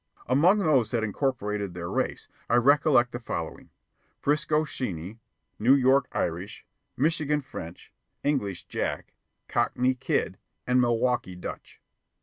Among those that incorporated their race, I recollect the following: Frisco Sheeny, New York Irish, Michigan French, English Jack, Cockney Kid, and Milwaukee Dutch.